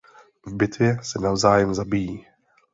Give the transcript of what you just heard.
V bitvě se navzájem zabijí.